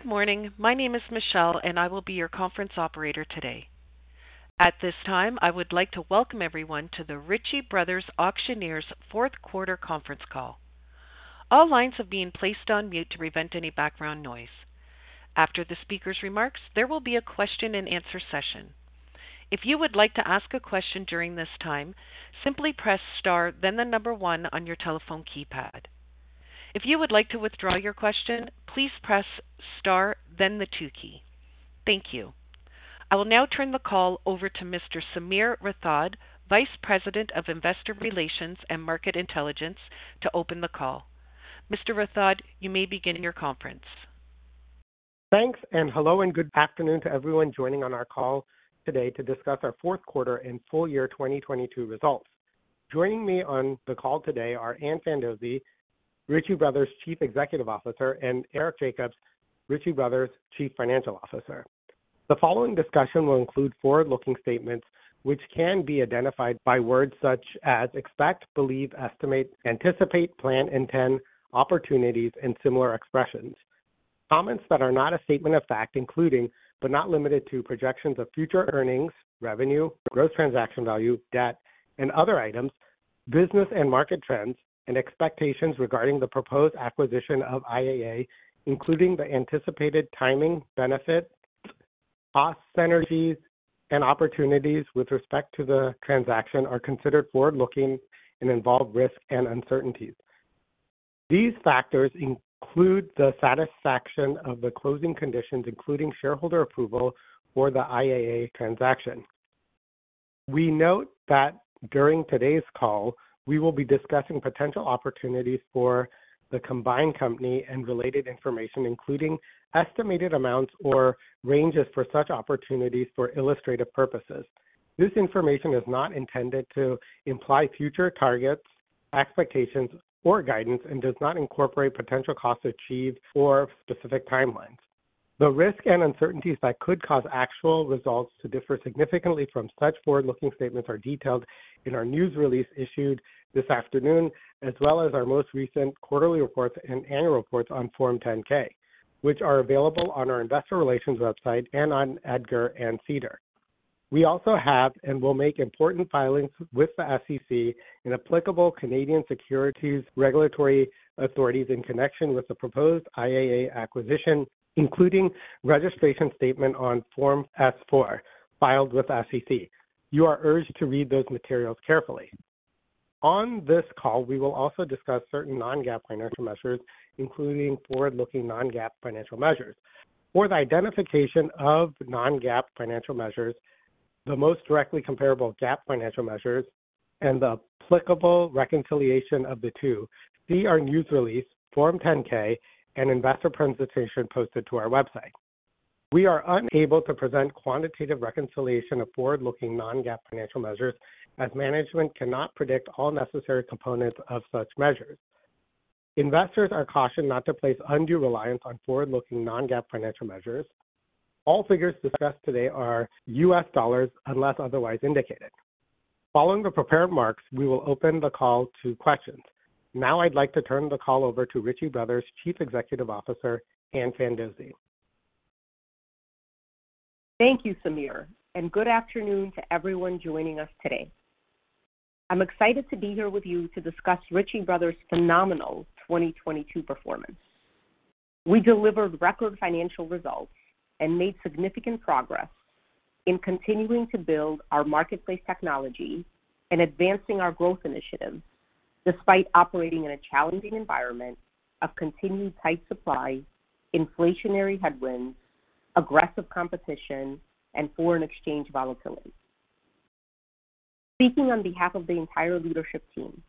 Good morning. My name is Michelle, I will be your conference operator today. At this time, I would like to welcome everyone to the Ritchie Bros Auctioneers Fourth Quarter Conference Call. All lines have been placed on mute to prevent any background noise. After the speaker's remarks, there will be a question and answer session. If you would like to ask a question during this time, simply press star then the one on your telephone keypad. If you would like to withdraw your question, please press star then the two key. Thank you. I will now turn the call over to Mr. Sameer Rathod, Vice President of Investor Relations and Market Intelligence, to open the call. Mr. Rathod, you may begin your conference. Thanks. Hello and good afternoon to everyone joining on our call today to discuss our fourth quarter and full year 2022 results. Joining me on the call today are Ann Fandozzi, Ritchie Bros Chief Executive Officer, and Eric Jacobs, Ritchie Bros Chief Financial Officer. The following discussion will include forward-looking statements which can be identified by words such as expect, believe, estimate, anticipate, plan, intend, opportunities, and similar expressions. Comments that are not a statement of fact, including, but not limited to, projections of future earnings, revenue, or gross transaction value, debt, and other items, business and market trends, and expectations regarding the proposed acquisition of IAA, including the anticipated timing, benefit, cost synergies, and opportunities with respect to the transaction are considered forward-looking and involve risk and uncertainties. These factors include the satisfaction of the closing conditions, including shareholder approval for the IAA transaction. We note that during today's call, we will be discussing potential opportunities for the combined company and related information, including estimated amounts or ranges for such opportunities for illustrative purposes. This information is not intended to imply future targets, expectations, or guidance, and does not incorporate potential costs achieved or specific timelines. The risk and uncertainties that could cause actual results to differ significantly from such forward-looking statements are detailed in our news release issued this afternoon, as well as our most recent quarterly reports and annual reports on Form 10-K, which are available on our investor relations website and on EDGAR and SEDAR. We also have, and will make, important filings with the SEC and applicable Canadian Securities Regulatory Authorities in connection with the proposed IAA acquisition, including registration statement on Form S-4, filed with SEC. You are urged to read those materials carefully. On this call, we will also discuss certain non-GAAP financial measures, including forward-looking non-GAAP financial measures. For the identification of non-GAAP financial measures, the most directly comparable GAAP financial measures, and the applicable reconciliation of the two, see our news release, Form 10-K, an investor presentation posted to our website. We are unable to present quantitative reconciliation of forward-looking non-GAAP financial measures as management cannot predict all necessary components of such measures. Investors are cautioned not to place undue reliance on forward-looking non-GAAP financial measures. All figures discussed today are U.S. dollars unless otherwise indicated. Following the prepared remarks, we will open the call to questions. I'd like to turn the call over to Ritchie Bros Chief Executive Officer, Ann Fandozzi. Thank you, Sameer, and good afternoon to everyone joining us today. I'm excited to be here with you to discuss Ritchie Bros' phenomenal 2022 performance. We delivered record financial results and made significant progress in continuing to build our marketplace technology and advancing our growth initiatives despite operating in a challenging environment of continued tight supply, inflationary headwinds, aggressive competition, and foreign exchange volatility. Speaking on behalf of the entire leadership team,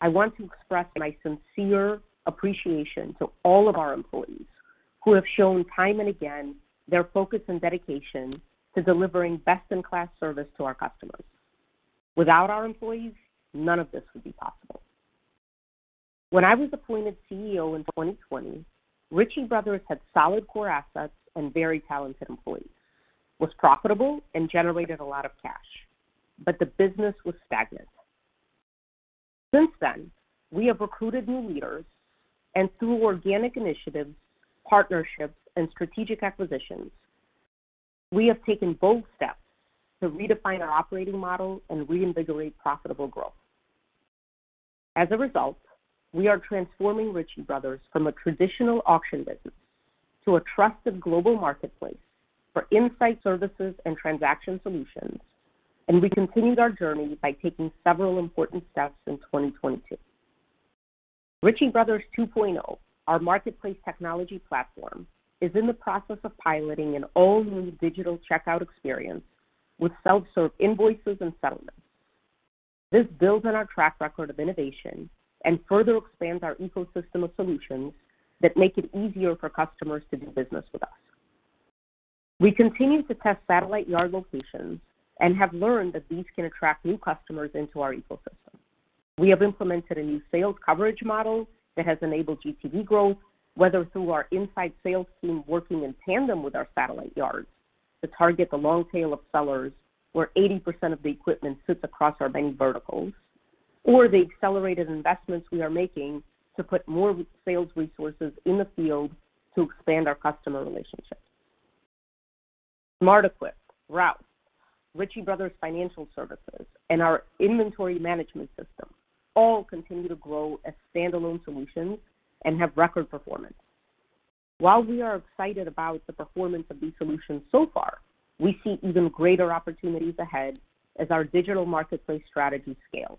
I want to express my sincere appreciation to all of our employees who have shown time and again their focus and dedication to delivering best-in-class service to our customers. Without our employees, none of this would be possible. When I was appointed CEO in 2020, Ritchie Bros had solid core assets and very talented employees, was profitable and generated a lot of cash, but the business was stagnant. Since then, we have recruited new leaders and through organic initiatives, partnerships, and strategic acquisitions, we have taken bold steps to redefine our operating model and reinvigorate profitable growth. As a result, we are transforming Ritchie Bros from a traditional auction business to a trusted global marketplace for insight services and transaction solutions, and we continued our journey by taking several important steps in 2022. Ritchie Bros 2.0, our marketplace technology platform, is in the process of piloting an all-new digital checkout experience with self-serve invoices and settlements. This builds on our track record of innovation and further expands our ecosystem of solutions that make it easier for customers to do business with us. We continue to test satellite yard locations and have learned that these can attract new customers into our ecosystem. We have implemented a new sales coverage model that has enabled GTV growth, whether through our inside sales team working in tandem with our satellite yards to target the long tail of sellers where 80% of the equipment sits across our many verticals. The accelerated investments we are making to put more sales resources in the field to expand our customer relationships. SmartEquip, Rouse, Ritchie Bros Financial Services, and our Inventory Management System all continue to grow as standalone solutions and have record performance. While we are excited about the performance of these solutions so far, we see even greater opportunities ahead as our digital marketplace strategy scales.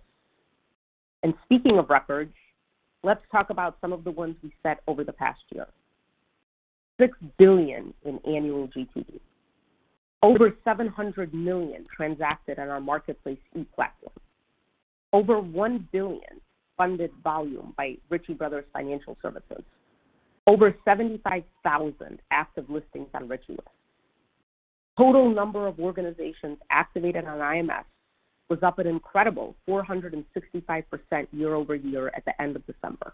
Speaking of records, let's talk about some of the ones we set over the past year. $6 billion in annual GTV. Over $700 million transacted on our Marketplace-E platform. Over $1 billion funded volume by Ritchie Bros Financial Services. Over 75,000 active listings on RitchieLink. Total number of organizations activated on IMS was up an incredible 465% year-over-year at the end of December.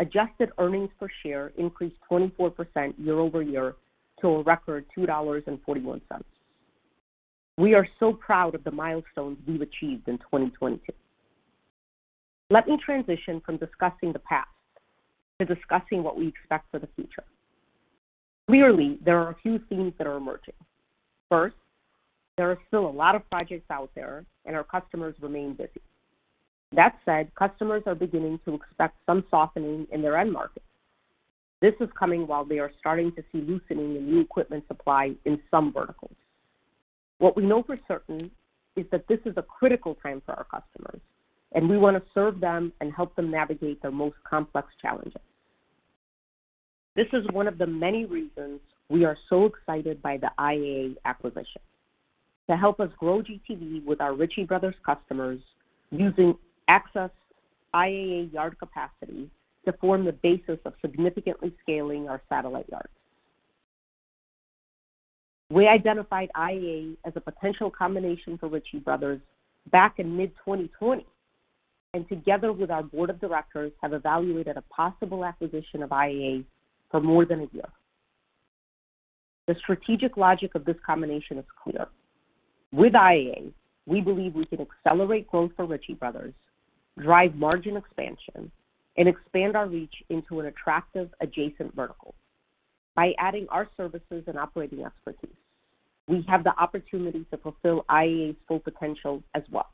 Adjusted earnings per share increased 24% year-over-year to a record $2.41. We are so proud of the milestones we've achieved in 2022. Let me transition from discussing the past to discussing what we expect for the future. Clearly, there are a few themes that are emerging. First, there are still a lot of projects out there and our customers remain busy. That said, customers are beginning to expect some softening in their end markets. This is coming while they are starting to see loosening in new equipment supply in some verticals. What we know for certain is that this is a critical time for our customers, and we want to serve them and help them navigate their most complex challenges. This is one of the many reasons we are so excited by the IAA acquisition. To help us grow GTV with our Ritchie Bros customers using access IAA yard capacity to form the basis of significantly scaling our satellite yards. We identified IAA as a potential combination for Ritchie Bros back in mid-2020, and together with our board of directors, have evaluated a possible acquisition of IAA for more than a year. The strategic logic of this combination is clear. With IAA, we believe we can accelerate growth for Ritchie Bros, drive margin expansion, and expand our reach into an attractive adjacent vertical. By adding our services and operating expertise, we have the opportunity to fulfill IAA's full potential as well.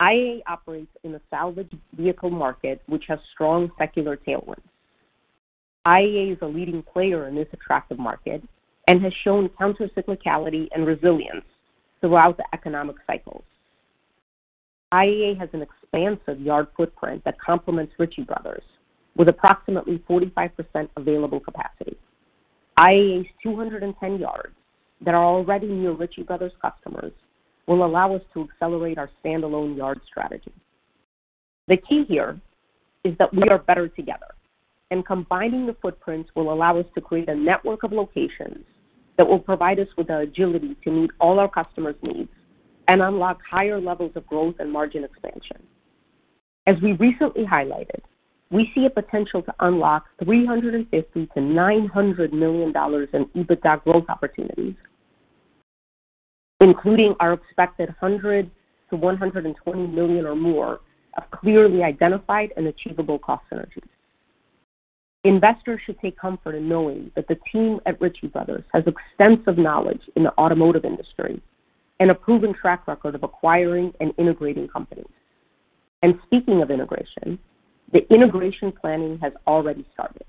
IAA operates in a salvage vehicle market which has strong secular tailwinds. IAA is a leading player in this attractive market and has shown counter-cyclicality and resilience throughout the economic cycles. IAA has an expansive yard footprint that complements Ritchie Bros with approximately 45% available capacity. IAA's 210 yards that are already near Ritchie Bros customers will allow us to accelerate our standalone yard strategy. The key here is that we are better together, and combining the footprints will allow us to create a network of locations that will provide us with the agility to meet all our customers' needs and unlock higher levels of growth and margin expansion. As we recently highlighted, we see a potential to unlock $350 million-$900 million in EBITDA growth opportunities, including our expected $100 million-$120 million or more of clearly identified and achievable cost synergies. Investors should take comfort in knowing that the team at Ritchie Bros has extensive knowledge in the automotive industry and a proven track record of acquiring and integrating companies. Speaking of integration, the integration planning has already started.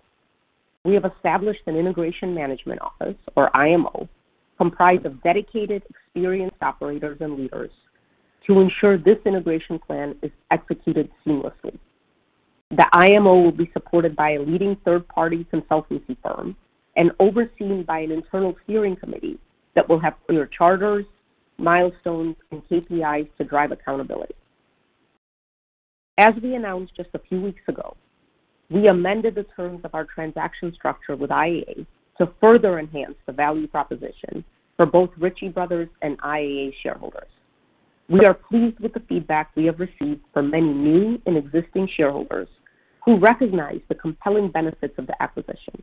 We have established an integration management office, or IMO, comprised of dedicated, experienced operators and leaders to ensure this integration plan is executed seamlessly. The IMO will be supported by a leading third-party consultancy firm and overseen by an internal steering committee that will have clear charters, milestones, and KPIs to drive accountability. As we announced just a few weeks ago, we amended the terms of our transaction structure with IAA to further enhance the value proposition for both Ritchie Bros and IAA shareholders. We are pleased with the feedback we have received from many new and existing shareholders who recognize the compelling benefits of the acquisition.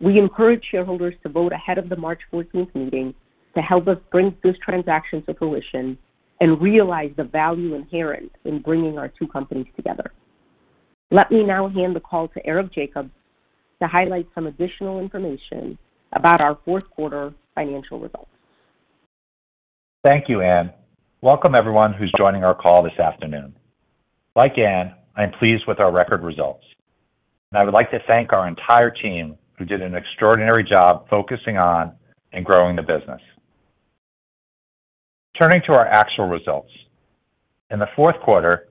We encourage shareholders to vote ahead of the March fourteenth meeting to help us bring this transaction to fruition and realize the value inherent in bringing our two companies together. Let me now hand the call to Eric Jacobs to highlight some additional information about our fourth quarter financial results. Thank you, Ann. Welcome everyone who's joining our call this afternoon. Like Ann, I'm pleased with our record results. I would like to thank our entire team who did an extraordinary job focusing on and growing the business. Turning to our actual results. In the fourth quarter,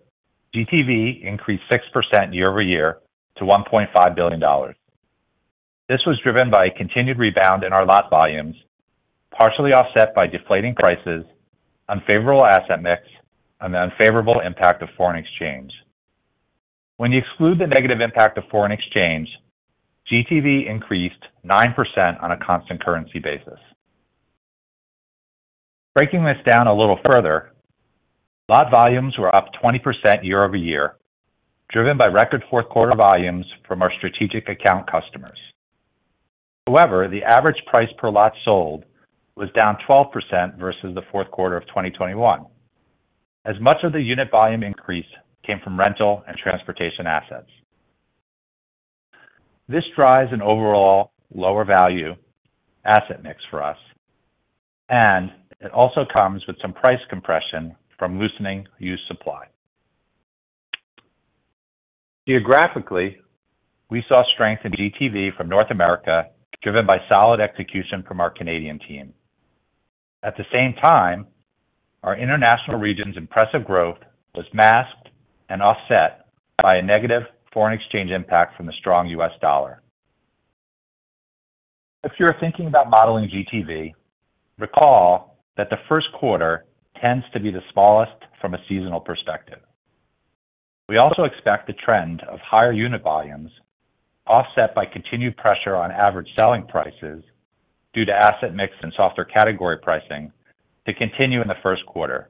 GTV increased 6% year-over-year to $1.5 billion. This was driven by a continued rebound in our lot volumes, partially offset by deflating prices, unfavorable asset mix, and the unfavorable impact of foreign exchange. When you exclude the negative impact of foreign exchange, GTV increased 9% on a constant currency basis. Breaking this down a little further, lot volumes were up 20% year-over-year, driven by record fourth quarter volumes from our strategic account customers. The average price per lot sold was down 12% versus the fourth quarter of 2021, as much of the unit volume increase came from rental and transportation assets. This drives an overall lower value asset mix for us, and it also comes with some price compression from loosening used supply. Geographically, we saw strength in GTV from North America, driven by solid execution from our Canadian team. At the same time, our international region's impressive growth was masked and offset by a negative foreign exchange impact from the strong U.S. dollar. If you're thinking about modeling GTV, recall that the first quarter tends to be the smallest from a seasonal perspective. We also expect the trend of higher unit volumes offset by continued pressure on average selling prices due to asset mix and softer category pricing to continue in the first quarter.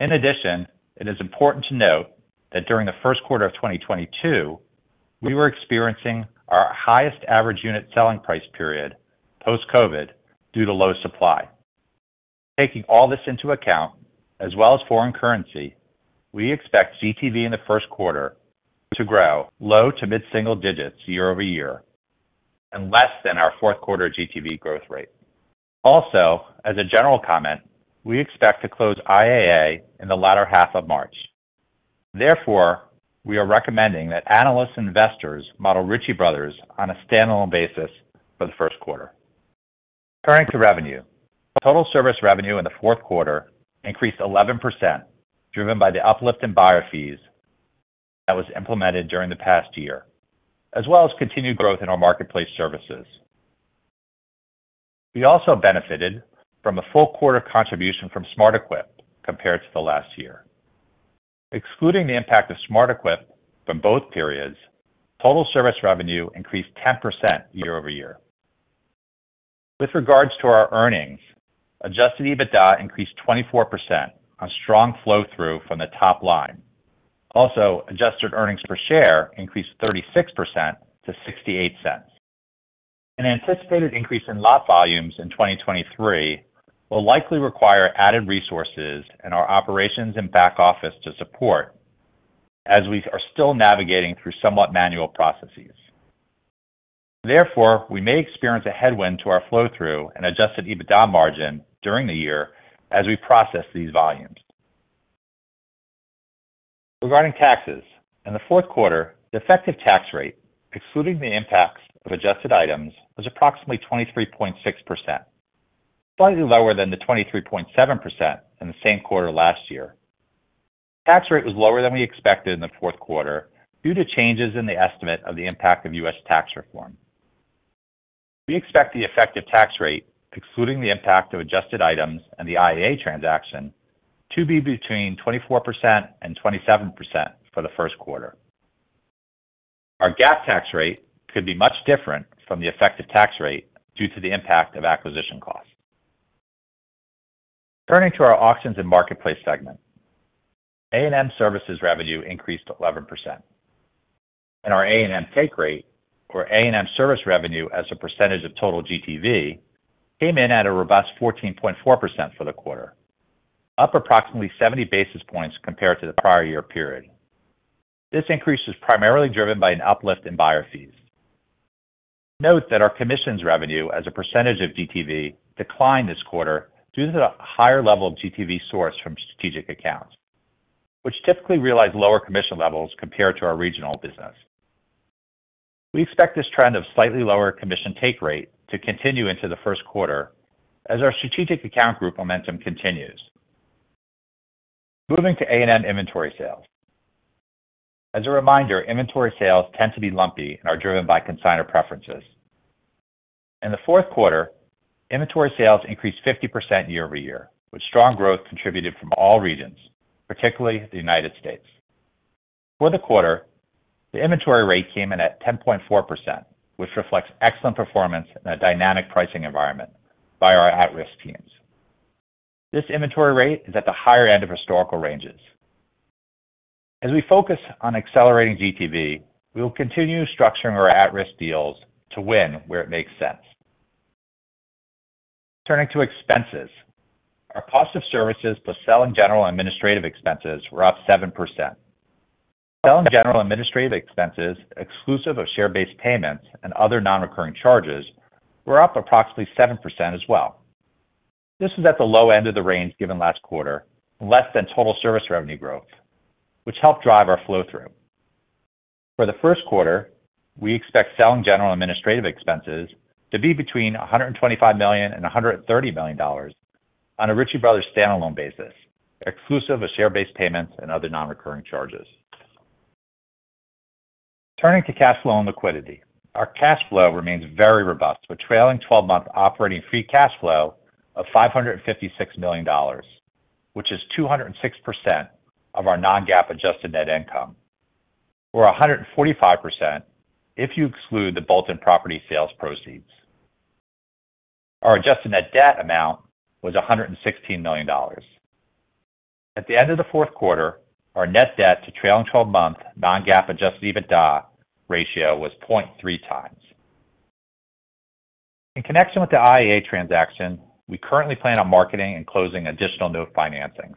In addition, it is important to note that during the first quarter of 2022, we were experiencing our highest average unit selling price period, post-COVID, due to low supply. Taking all this into account, as well as foreign currency, we expect GTV in the first quarter to grow low to mid-single digits year-over-year and less than our fourth quarter GTV growth rate. As a general comment, we expect to close IAA in the latter half of March. Therefore, we are recommending that analysts and investors model Ritchie Bros on a standalone basis for the first quarter. Turning to revenue. Total service revenue in the fourth quarter increased 11%, driven by the uplift in buyer fees that was implemented during the past year, as well as continued growth in our marketplace services. We also benefited from a full quarter contribution from SmartEquip compared to the last year. Excluding the impact of SmartEquip from both periods, total service revenue increased 10% year-over-year. With regards to our earnings, adjusted EBITDA increased 24% on strong flow-through from the top line. Adjusted earnings per share increased 36% to $0.68. An anticipated increase in lot volumes in 2023 will likely require added resources in our operations and back office to support as we are still navigating through somewhat manual processes. We may experience a headwind to our flow-through and adjusted EBITDA margin during the year as we process these volumes. Regarding taxes, in the fourth quarter, the effective tax rate, excluding the impacts of adjusted items, was approximately 23.6%, slightly lower than the 23.7% in the same quarter last year. Tax rate was lower than we expected in the fourth quarter due to changes in the estimate of the impact of U.S. tax reform. We expect the effective tax rate, excluding the impact of adjusted items and the IAA transaction, to be between 24% and 27% for the first quarter. Our GAAP tax rate could be much different from the effective tax rate due to the impact of acquisition costs. Turning to our auctions and marketplace segment. A&M services revenue increased 11% and our A&M take rate or A&M service revenue as a percentage of total GTV came in at a robust 14.4% for the quarter, up approximately 70 basis points compared to the prior year period. This increase is primarily driven by an uplift in buyer fees. Note that our commissions revenue as a percentage of GTV declined this quarter due to the higher level of GTV sourced from strategic accounts, which typically realize lower commission levels compared to our regional business. We expect this trend of slightly lower commission take rate to continue into the first quarter as our strategic account group momentum continues. Moving to A&M inventory sales. As a reminder, inventory sales tend to be lumpy and are driven by consignor preferences. In the fourth quarter, inventory sales increased 50% year-over-year, with strong growth contributed from all regions, particularly the United States. For the quarter, the inventory rate came in at 10.4%, which reflects excellent performance in a dynamic pricing environment by our at-risk teams. This inventory rate is at the higher end of historical ranges. As we focus on accelerating GTV, we will continue structuring our at-risk deals to win where it makes sense. Turning to expenses. Our cost of services plus sell and general administrative expenses were up 7%. Sell and general administrative expenses, exclusive of share-based payments and other non-recurring charges, were up approximately 7% as well. This is at the low end of the range given last quarter and less than total service revenue growth, which helped drive our flow-through. For the first quarter, we expect sell and general administrative expenses to be between $125 million and $130 million on a Ritchie Bros standalone basis, exclusive of share-based payments and other non-recurring charges. Turning to cash flow and liquidity. Our cash flow remains very robust with trailing 12-month operating free cash flow of $556 million, which is 206% of our non-GAAP adjusted net income or 145% if you exclude the Bolton property sales proceeds. Our adjusted net debt amount was $116 million. At the end of the fourth quarter, our net debt to trailing 12-month non-GAAP adjusted EBITDA ratio was 0.3x. In connection with the IAA transaction, we currently plan on marketing and closing additional note financings.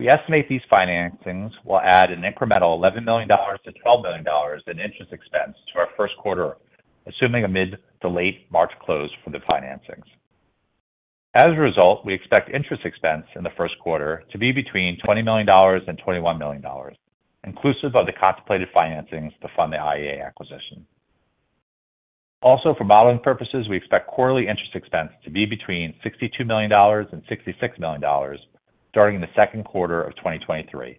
We estimate these financings will add an incremental $11 million-$12 million in interest expense to our first quarter, assuming a mid to late March close for the financings. As a result, we expect interest expense in the first quarter to be between $20 million and $21 million, inclusive of the contemplated financings to fund the IAA acquisition. Also, for modeling purposes, we expect quarterly interest expense to be between $62 million and $66 million starting in the second quarter of 2023,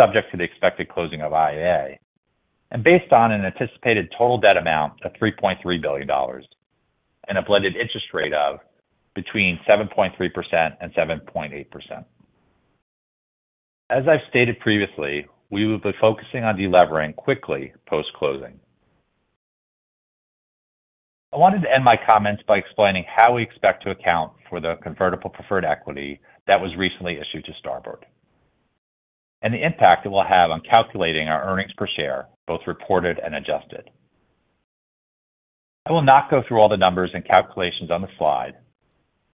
subject to the expected closing of IAA and based on an anticipated total debt amount of $3.3 billion and a blended interest rate of between 7.3% and 7.8%. As I've stated previously, we will be focusing on de-levering quickly post-closing. I wanted to end my comments by explaining how we expect to account for the convertible preferred equity that was recently issued to Starboard and the impact it will have on calculating our earnings per share, both reported and adjusted. I will not go through all the numbers and calculations on the slide.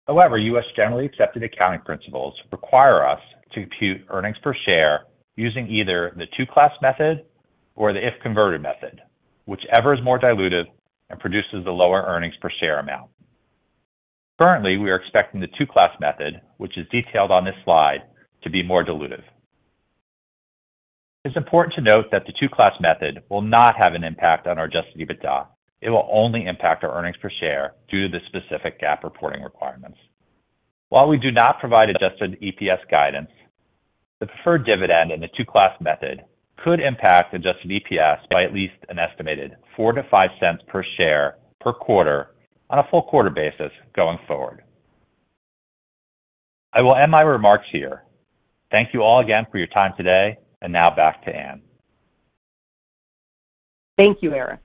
However, U.S. generally accepted accounting principles require us to compute earnings per share using either the two-class method or the if-converted method, whichever is more dilutive and produces the lower earnings per share amount. Currently, we are expecting the two-class method, which is detailed on this slide, to be more dilutive. It's important to note that the two-class method will not have an impact on our adjusted EBITDA. It will only impact our earnings per share due to the specific GAAP reporting requirements. While we do not provide adjusted EPS guidance, the preferred dividend in the two-class method could impact adjusted EPS by at least an estimated $0.04-$0.05 per share per quarter on a full quarter basis going forward. I will end my remarks here. Thank you all again for your time today. Now back to Ann. Thank you, Eric.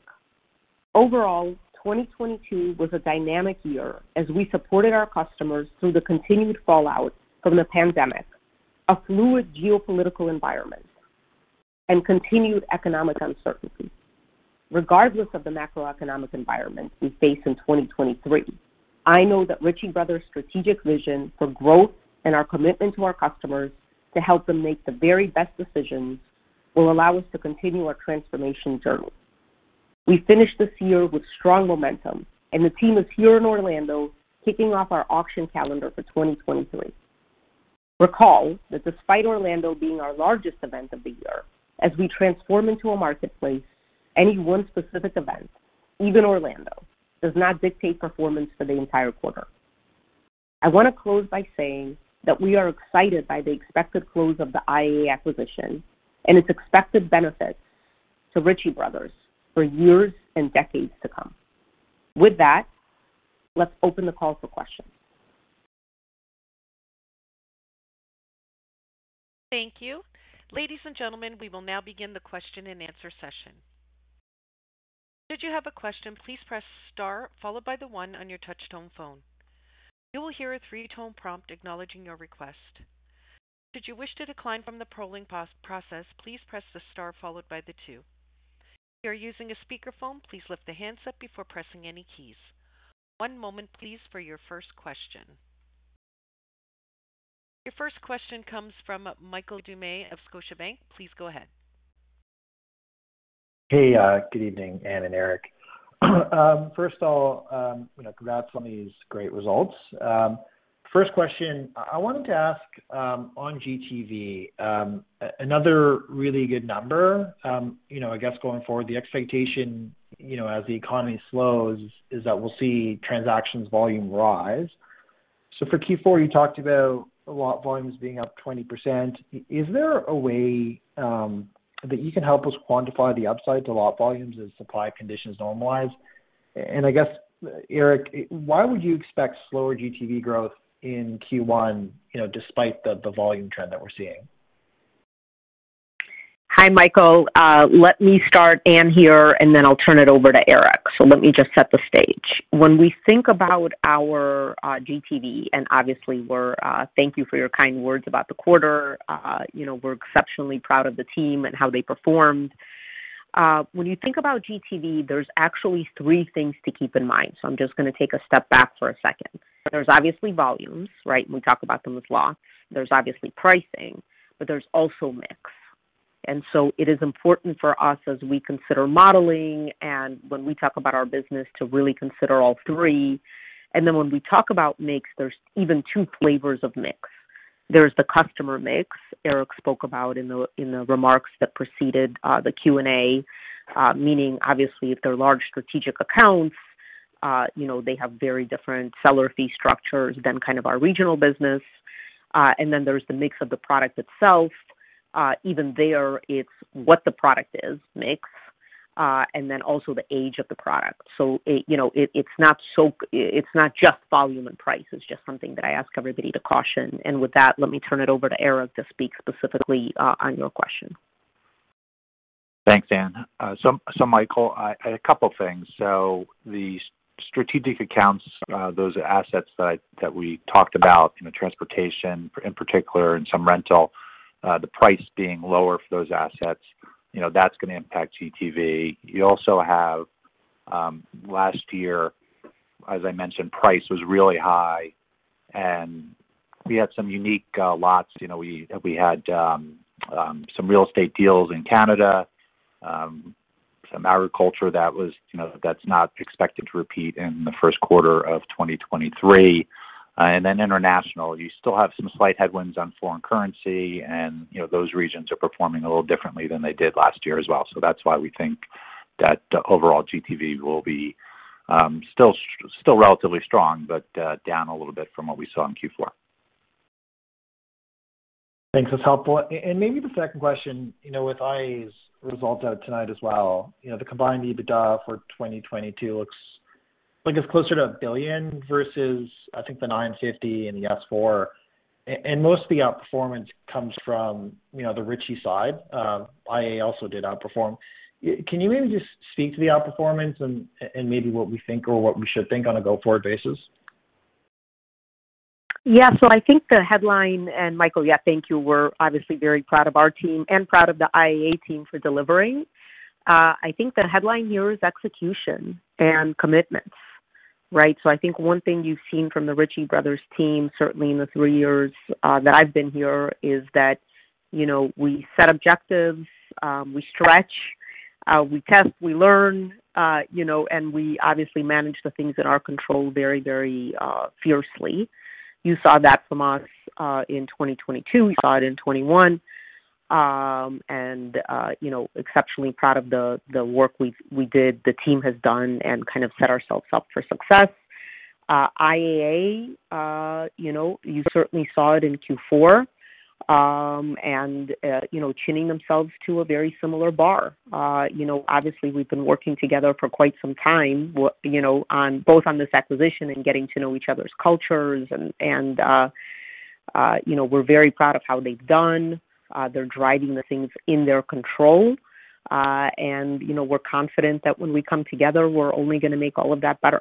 Overall, 2022 was a dynamic year as we supported our customers through the continued fallout from the pandemic, a fluid geopolitical environment, and continued economic uncertainty. Regardless of the macroeconomic environment we face in 2023, I know that Ritchie Bros' strategic vision for growth and our commitment to our customers to help them make the very best decisions will allow us to continue our transformation journey. We finished this year with strong momentum, and the team is here in Orlando kicking off our auction calendar for 2023. Recall that despite Orlando being our largest event of the year, as we transform into a marketplace, any one specific event, even Orlando, does not dictate performance for the entire quarter. I want to close by saying that we are excited by the expected close of the IAA acquisition and its expected benefits to Ritchie Bros for years and decades to come. Let's open the call for questions. Thank you. Ladies and gentlemen, we will now begin the question-and-answer session. Should you have a question, please press star followed by the one on your touch-tone phone. You will hear a three-tone prompt acknowledging your request. Should you wish to decline from the polling pro-process, please press the star followed by the two. If you are using a speakerphone, please lift the handset before pressing any keys. One moment please for your first question. Your first question comes from Michael Doumet of Scotiabank. Please go ahead. Hey, good evening, Ann and Eric. First of all, you know, congrats on these great results. First question, I wanted to ask on GTV, another really good number. You know, I guess going forward, the expectation, you know, as the economy slows is that we'll see transactions volume rise. For Q4, you talked about lot volumes being up 20%. Is there a way that you can help us quantify the upside to lot volumes as supply conditions normalize? I guess, Eric, why would you expect slower GTV growth in Q1, you know, despite the volume trend that we're seeing? Hi, Michael. Let me start, Ann here, and then I'll turn it over to Eric. Let me just set the stage. When we think about our GTV, and obviously, we're, thank you for your kind words about the quarter. You know, we're exceptionally proud of the team and how they performed. When you think about GTV, there's actually three things to keep in mind. I'm just going to take a step back for a second. There's obviously volumes, right? We talk about them as lots. There's obviously pricing, but there's also mix. It is important for us as we consider modeling and when we talk about our business to really consider all three. Then when we talk about mix, there's even two flavors of mix. There's the customer mix Eric spoke about in the, in the remarks that preceded the Q&A. Meaning obviously, if they're large strategic accounts, you know, they have very different seller fee structures than kind of our regional business. There's the mix of the product itself. Even there, it's what the product is, mix, also the age of the product. It, you know, it's not just volume and price. It's just something that I ask everybody to caution. With that, let me turn it over to Eric to speak specifically on your question. Thanks, Ann. Michael, a couple of things. The strategic accounts, those are assets that we talked about in the transportation in particular and some rental, the price being lower for those assets, you know, that's going to impact GTV. You also have, last year, as I mentioned, price was really high, and we had some unique lots. You know, we had some real estate deals in Canada, some agriculture that was, you know, that's not expected to repeat in the first quarter of 2023. International, you still have some slight headwinds on foreign currency, and, you know, those regions are performing a little differently than they did last year as well. That's why we think that the overall GTV will be still relatively strong, but down a little bit from what we saw in Q4. Thanks. That's helpful. Maybe the second question, you know, with IAA's results out tonight as well, you know, the combined EBITDA for 2022 looks like it's closer to $1 billion versus, I think, the $950 in the S4. Most of the outperformance comes from, you know, the Ritchie side. IAA also did outperform. Can you maybe just speak to the outperformance and maybe what we think or what we should think on a go-forward basis? Michael, thank you. We're obviously very proud of our team and proud of the IAA team for delivering. I think the headline here is execution and commitments, right? I think one thing you've seen from the Ritchie Bros team, certainly in the three years that I've been here, is that, you know, we set objectives, we stretch, we test, we learn, you know, and we obviously manage the things in our control very fiercely. You saw that from us in 2022. We saw it in 2021. You know, exceptionally proud of the work we did, the team has done and kind of set ourselves up for success. IAA, you know, you certainly saw it in Q4, and, you know, tuning themselves to a very similar bar. You know, obviously, we've been working together for quite some time, you know, on both on this acquisition and getting to know each other's cultures, and, you know, we're very proud of how they've done. They're driving the things in their control. We're confident that when we come together, we're only gonna make all of that better.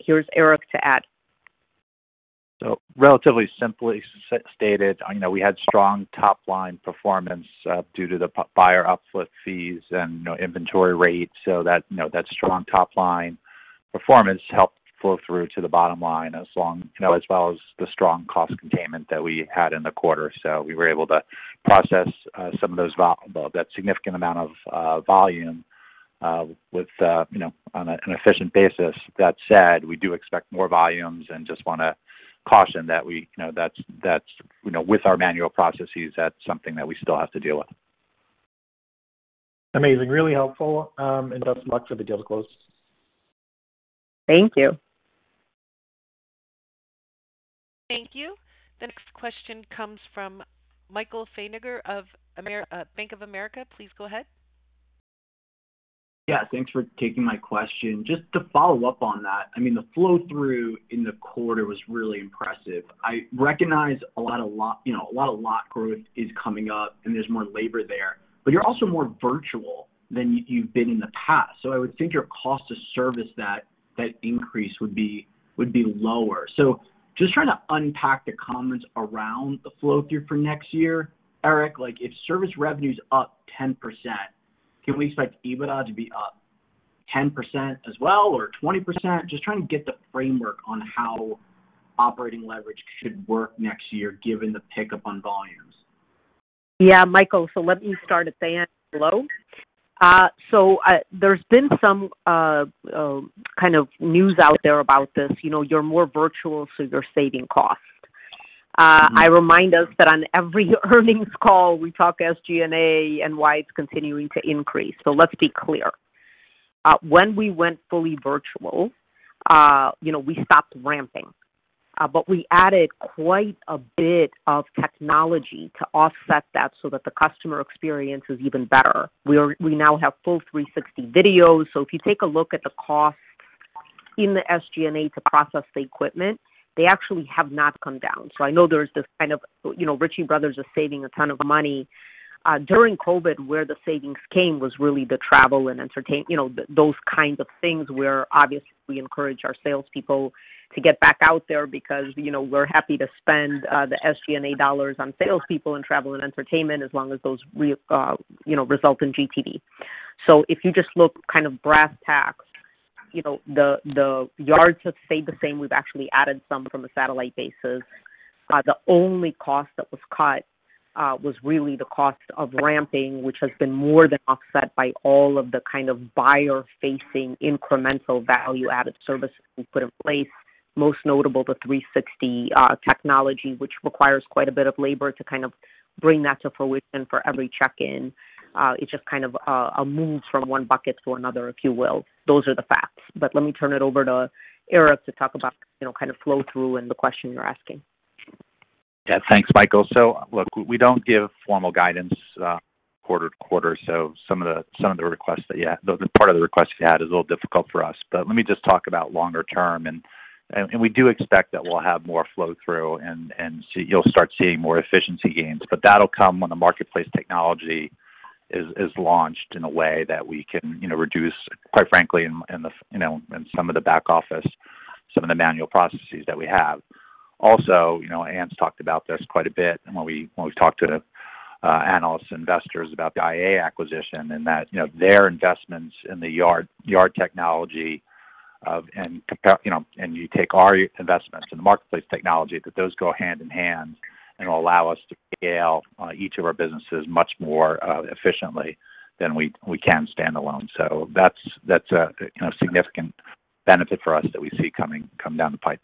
Here's Eric to add. Relatively simply stated, you know, we had strong top-line performance, due to the buyer uplift fees and inventory rates. That, you know, that strong top line performance helped flow through to the bottom line as long, you know, as well as the strong cost containment that we had in the quarter. We were able to process some of those that significant amount of volume with, you know, on an efficient basis. That said, we do expect more volumes and just wanna caution that we, you know, that's, you know, with our manual processes, that's something that we still have to deal with. Amazing. Really helpful. Best of luck for the deal to close. Thank you. Thank you. The next question comes from Michael Feniger of Bank of America. Please go ahead. Thanks for taking my question. Just to follow up on that, I mean, the flow through in the quarter was really impressive. I recognize a lot of lot growth is coming up, and there's more labor there. You're also more virtual than you've been in the past. I would think your cost to service that increase would be lower. Just trying to unpack the comments around the flow through for next year. Eric, like, if service revenue is up 10%, can we expect EBITDA to be up 10% as well, or 20%? Just trying to get the framework on how operating leverage should work next year given the pickup on volumes. Yeah, Michael. Let me start at the end. Hello. There's been some kind of news out there about this. You know, you're more virtual, so you're saving costs. I remind us that on every earnings call, we talk SG&A and why it's continuing to increase. Let's be clear. When we went fully virtual, you know, we stopped ramping, but we added quite a bit of technology to offset that so that the customer experience is even better. We now have full 360 videos. If you take a look at the cost in the SG&A to process the equipment, they actually have not come down. I know there's this kind of, you know, Ritchie Bros are saving a ton of money. During COVID, where the savings came was really the travel and you know, those kinds of things where obviously we encourage our salespeople to get back out there because, you know, we're happy to spend the SG&A dollars on salespeople and travel and entertainment as long as those you know, result in GTV. If you just look kind of brass tacks, you know, the yards have stayed the same. We've actually added some from a satellite basis. The only cost that was cut was really the cost of ramping, which has been more than offset by all of the kind of buyer-facing incremental value-added services we put in place, most notable the 360 technology, which requires quite a bit of labor to kind of bring that to fruition for every check-in. It's just kind of a move from one bucket to another, if you will. Those are the facts. Let me turn it over to Eric to talk about, you know, kind of flow through and the question you're asking. Yeah. Thanks, Michael. Look, we don't give formal guidance quarter to quarter. Some of the requests that the part of the request you had is a little difficult for us. Let me just talk about longer term. We do expect that we'll have more flow through and you'll start seeing more efficiency gains. That'll come when the marketplace technology is launched in a way that we can reduce, quite frankly, in the back office, some of the manual processes that we have. You know, Ann's talked about this quite a bit and when we've talked to analysts, investors about the IAA acquisition and that, you know, their investments in the yard technology of, compare, you know, and you take our investments in the marketplace technology, that those go hand in hand and allow us to scale, each of our businesses much more efficiently than we can standalone. That's a significant benefit for us that we see coming, come down the pipe.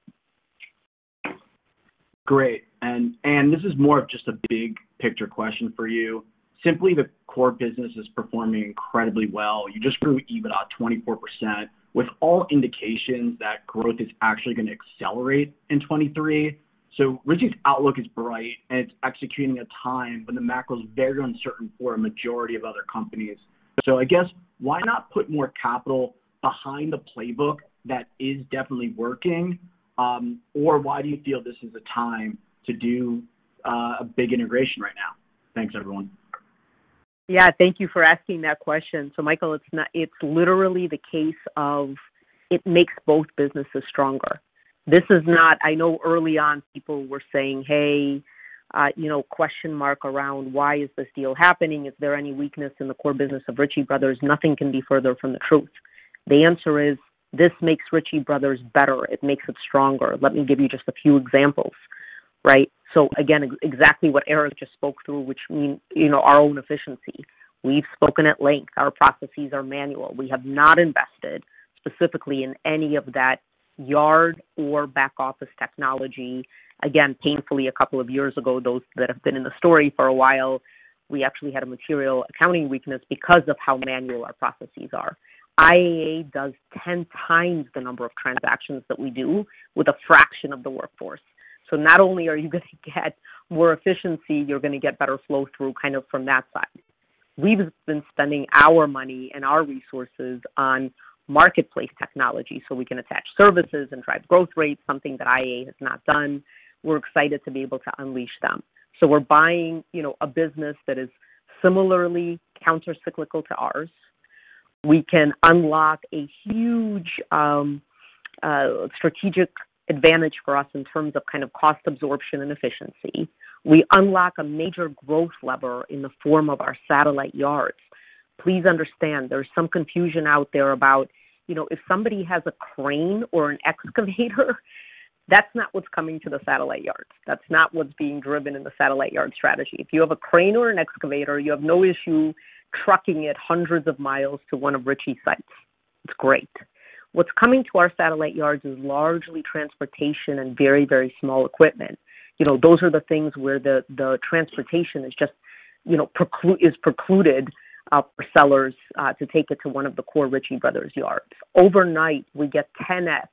Great. Ann, this is more of just a big picture question for you. Simply, the core business is performing incredibly well. You just grew EBITDA 24% with all indications that growth is actually gonna accelerate in 2023. Ritchie's outlook is bright and it's executing a time when the macro is very uncertain for a majority of other companies. I guess why not put more capital behind a playbook that is definitely working? Or why do you feel this is a time to do a big integration right now? Thanks, everyone. Yeah, thank you for asking that question. Michael, it's literally the case of it makes both businesses stronger. This is not, I know early on people were saying, hey, you know, question mark around why is this deal happening? Is there any weakness in the core business of Ritchie Brothers? Nothing can be further from the truth. The answer is this makes Ritchie Brothers better. It makes it stronger. Let me give you just a few examples. Right? Again, exactly what Eric just spoke to, which mean, you know, our own efficiency. We've spoken at length. Our processes are manual. We have not invested specifically in any of that yard or back office technology. Again, painfully, a couple of years ago, those that have been in the story for a while, we actually had a material accounting weakness because of how manual our processes are. IAA does 10x the number of transactions that we do with a fraction of the workforce. Not only are you gonna get more efficiency, you're gonna get better flow through kind of from that side. We've been spending our money and our resources on marketplace technology, so we can attach services and drive growth rates, something that IAA has not done. We're excited to be able to unleash them. We're buying, you know, a business that is similarly countercyclical to ours. We can unlock a huge strategic advantage for us in terms of kind of cost absorption and efficiency. We unlock a major growth lever in the form of our satellite yards. Please understand there's some confusion out there about, you know, if somebody has a crane or an excavator, that's not what's coming to the satellite yards. That's not what's being driven in the satellite yard strategy. If you have a crane or an excavator, you have no issue trucking it hundreds of miles to one of Ritchie Bros sites. It's great. What's coming to our satellite yards is largely transportation and very, very small equipment. You know, those are the things where the transportation is just, you know, is precluded for sellers to take it to one of the core Ritchie Bros yards. Overnight, we get 10x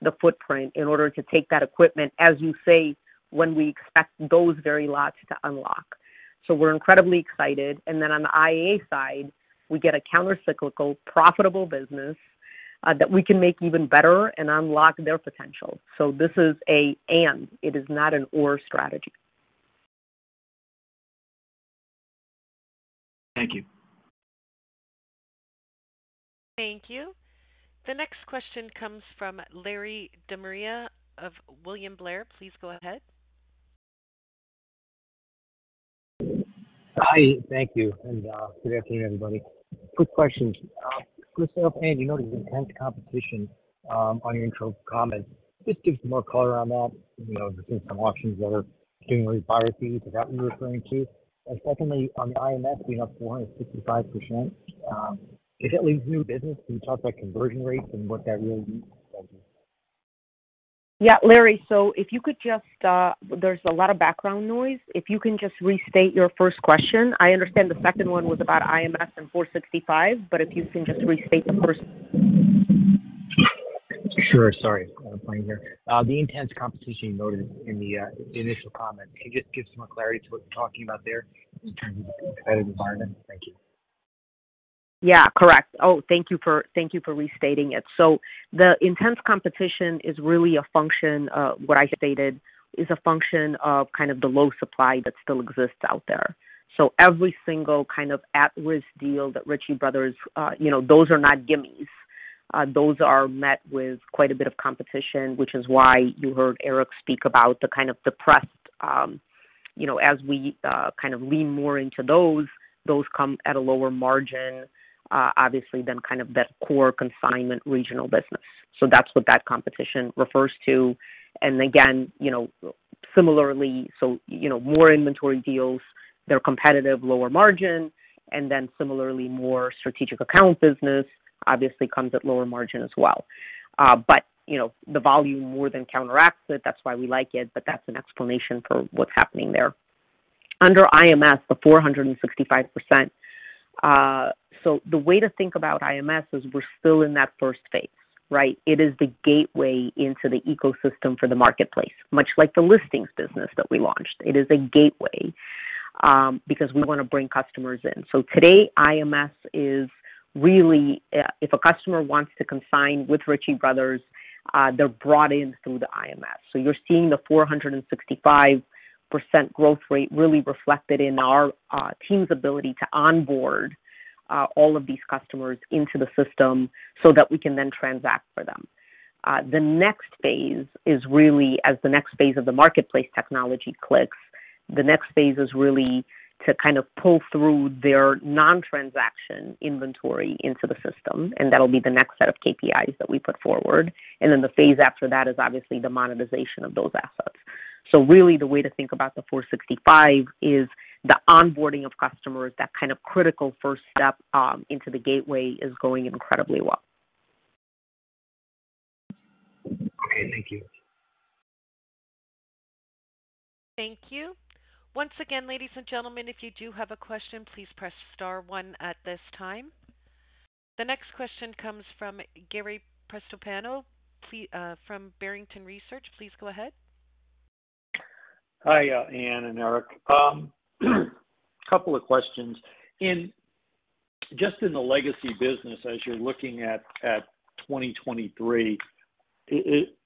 the footprint in order to take that equipment, as you say, when we expect those very lots to unlock. We're incredibly excited. On the IAA side, we get a countercyclical, profitable business that we can make even better and unlock their potential. This is a and, it is not an or strategy. Thank you. Thank you. The next question comes from Larry DeMaria of William Blair. Please go ahead. Hi. Thank you. Good afternoon, everybody. Quick question. First off, Ann, you know, there's intense competition on your intro comments. Just give some more color on that. You know, the system auctions that are doing these buyer fees, is that what you're referring to? Secondly, on the IMS, being up 465%, if that leads new business, can you talk about conversion rates and what that really means? Yeah. Larry, if you could just. There's a lot of background noise. If you can just restate your first question. I understand the second one was about IMS and 465, but if you can just restate the first. Sure. Sorry. Quite a plane here. The intense competition you noted in the initial comment, can you just give some clarity to what you're talking about there in terms of the competitive environment? Thank you. Yeah. Correct. Thank you for, thank you for restating it. The intense competition is really a function of what I stated, is a function of kind of the low supply that still exists out there. Every single kind of at-risk deal that Ritchie Bros, you know, those are not gimmies. Those are met with quite a bit of competition, which is why you heard Eric speak about the kind of depressed, you know, as we kind of lean more into those come at a lower margin, obviously than kind of that core consignment regional business. That's what that competition refers to. Again, you know, similarly, you know, more inventory deals, they're competitive, lower margin. Similarly, more strategic account business obviously comes at lower margin as well, you know, the volume more than counteracts it, that's why we like it, but that's an explanation for what's happening there. Under IMS, the 465% the way to think about IMS is we're still in that first phase, right? It is the gateway into the ecosystem for the marketplace, much like the listings business that we launched. It is a gateway because we wanna bring customers in. Today, IMS is really, if a customer wants to consign with Ritchie Bros, they're brought in through the IMS. You're seeing the 465% growth rate really reflected in our team's ability to onboard all of these customers into the system so that we can then transact for them. The next phase is really as the next phase of the marketplace technology clicks. The next phase is really to kind of pull through their non-transaction inventory into the system, that'll be the next set of KPIs that we put forward. Then the phase after that is obviously the monetization of those assets. Really the way to think about the 465% is the onboarding of customers. That kind of critical first step into the gateway is going incredibly well. Okay, thank you. Thank you. Once again, ladies and gentlemen, if you do have a question, please press star one at this time. The next question comes from Gary Prestopano from Barrington Research. Please go ahead. Hi, Ann and Eric. Couple of questions. Just in the legacy business, as you're looking at 2023,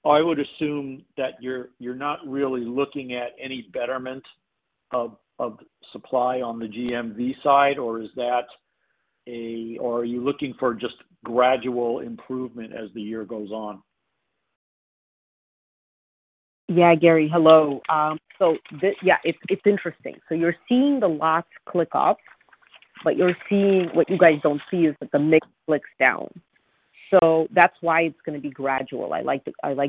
I would assume that you're not really looking at any betterment of supply on the GTV side or are you looking for just gradual improvement as the year goes on? Yeah. Gary. Hello. Yeah, it's interesting. You're seeing the lots click up, but What you guys don't see is that the mix clicks down. That's why it's gonna be gradual. I like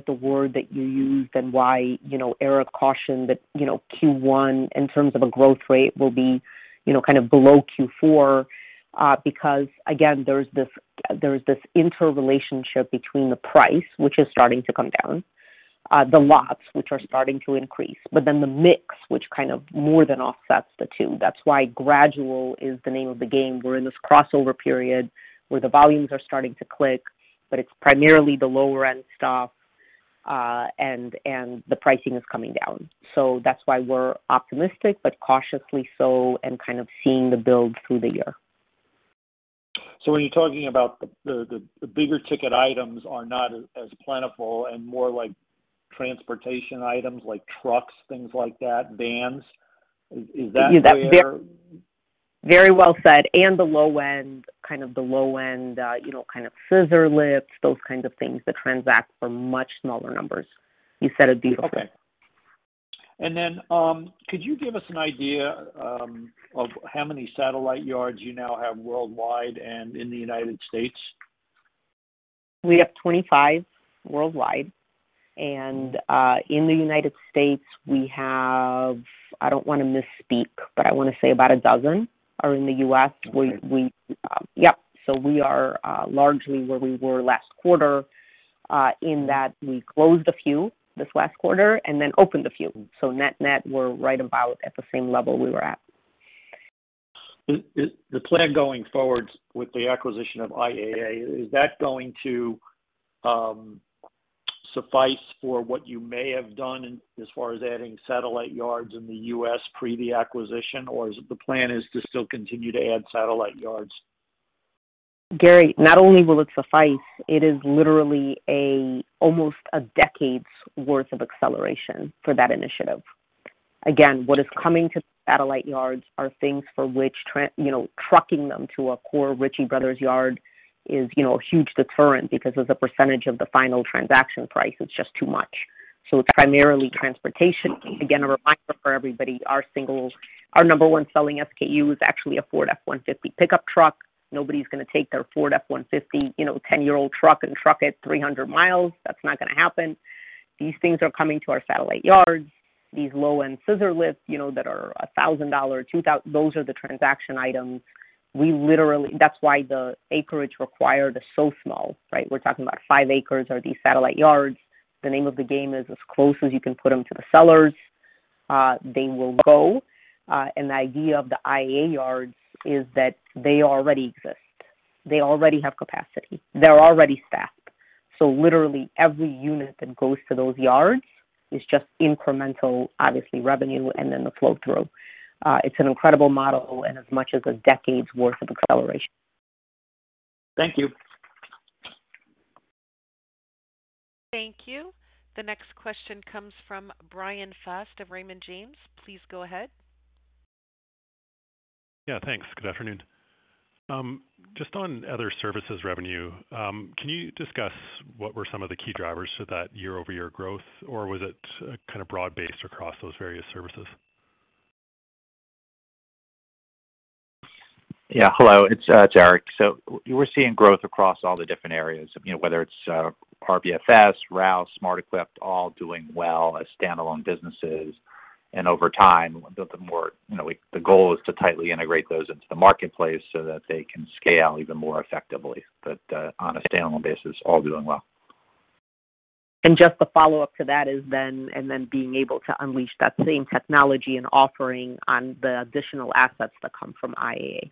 the word that you used and why, you know, Eric cautioned that, you know, Q1 in terms of a growth rate will be, you know, kind of below Q4, because again, there's this interrelationship between the price which is starting to come down, the lots which are starting to increase, but then the mix which kind of more than offsets the two. That's why gradual is the name of the game. We're in this crossover period where the volumes are starting to click, but it's primarily the lower end stuff, and the pricing is coming down. That's why we're optimistic, but cautiously so and kind of seeing the build through the year. When you're talking about the bigger ticket items are not as plentiful and more like transportation items like trucks, things like that, vans, is that fair? Very well said. The low end, kind of the low end, you know, kind of scissor lifts, those kinds of things that transact for much smaller numbers. You said it beautifully. Okay. Could you give us an idea of how many satellite yards you now have worldwide and in the United States? We have 25 worldwide, and in the United States we have. I don't wanna misspeak, but I wanna say about 12 are in the U.S. We, yep. We are largely where we were last quarter, in that we closed a few this last quarter and then opened a few. Net-net, we're right about at the same level we were at. Is the plan going forward with the acquisition of IAA, is that going to suffice for what you may have done as far as adding satellite yards in the U.S. pre the acquisition, or is it the plan is to still continue to add satellite yards? Gary, not only will it suffice, it is literally a almost a decade's worth of acceleration for that initiative. Again, what is coming to satellite yards are things for which you know, trucking them to a core Ritchie Bros yard is, you know, a huge deterrent because as a percentage of the final transaction price, it's just too much. It's primarily transportation. Again, a reminder for everybody, our number one selling SKU is actually a Ford F-150 pickup truck. Nobody's gonna take their Ford F-150, you know, 10-year-old truck and truck it 300 mi. That's not gonna happen. These things are coming to our satellite yards. These low-end scissor lifts, you know, that are $1,000. Those are the transaction items. We literally. That's why the acreage required is so small, right? We're talking about 5 acres are these satellite yards. The name of the game is as close as you can put them to the sellers, they will go. The idea of the IAA yards is that they already exist. They already have capacity. They're already staffed. Literally every unit that goes to those yards is just incremental, obviously, revenue and then the flow through. It's an incredible model and as much as a decade's worth of acceleration. Thank you. Thank you. The next question comes from Bryan Fast of Raymond James. Please go ahead. Yeah, thanks. Good afternoon. Just on other services revenue, can you discuss what were some of the key drivers to that year-over-year growth, or was it kind of broad-based across those various services? Hello, it's Eric. We're seeing growth across all the different areas, you know, whether it's RBFS, Rouse, SmartEquip, all doing well as standalone businesses. Over time, the more, you know, the goal is to tightly integrate those into the marketplace so that they can scale even more effectively. On a standalone basis, all doing well. Just the follow-up to that is then being able to unleash that same technology and offering on the additional assets that come from IAA,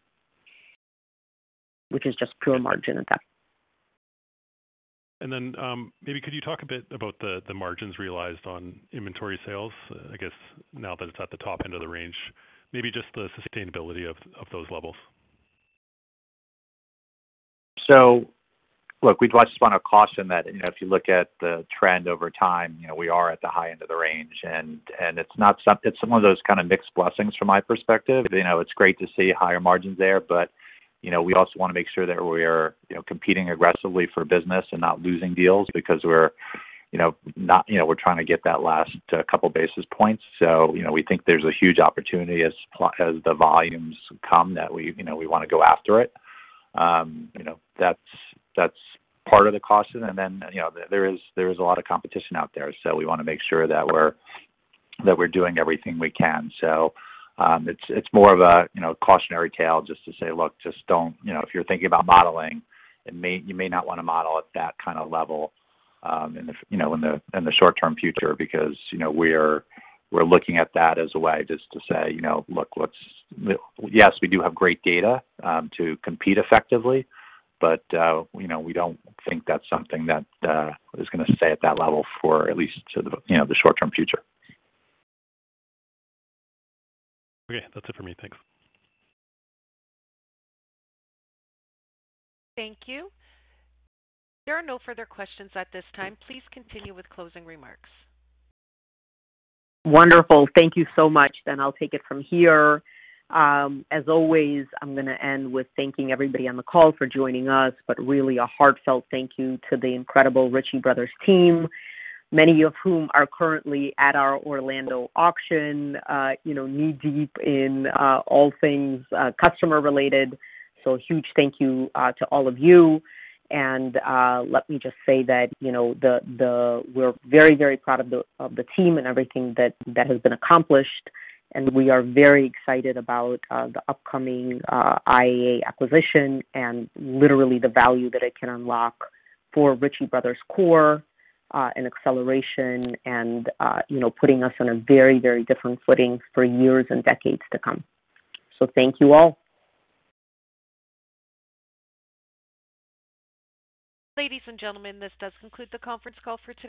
which is just pure margin impact. Maybe could you talk a bit about the margins realized on inventory sales, I guess now that it's at the top end of the range, maybe just the sustainability of those levels. Look, we'd like to spend a caution that, you know, if you look at the trend over time, you know, we are at the high end of the range and it's not something. It's some of those kind of mixed blessings from my perspective. You know, it's great to see higher margins there, but, you know, we also want to make sure that we are, you know, competing aggressively for business and not losing deals because we're, you know, not, you know, we're trying to get that last couple basis points. You know, we think there's a huge opportunity as the volumes come that we, you know, we want to go after it. You know, that's part of the caution. You know, there is a lot of competition out there. We wanna make sure that we're, that we're doing everything we can. It's, it's more of a, you know, cautionary tale just to say, look, just don't, you know, if you're thinking about modeling, you may not wanna model at that kind of level, in the, you know, in the, in the short-term future because, you know, we're looking at that as a way just to say, you know, look, let's. Yes, we do have great data, to compete effectively, but, you know, we don't think that's something that, is gonna stay at that level for at least, you know, the short-term future. Okay. That's it for me. Thanks. Thank you. There are no further questions at this time. Please continue with closing remarks. Wonderful. Thank you so much. I'll take it from here. As always, I'm gonna end with thanking everybody on the call for joining us, but really a heartfelt thank you to the incredible Ritchie Bros team, many of whom are currently at our Orlando auction, you know, knee-deep in all things customer-related. Huge thank you to all of you. Let me just say that, you know, the we're very, very proud of the team and everything that has been accomplished. We are very excited about the upcoming IAA acquisition and literally the value that it can unlock for Ritchie Bros core and acceleration and, you know, putting us on a very, very different footing for years and decades to come. Thank you all. Ladies and gentlemen, this does conclude the conference call for today.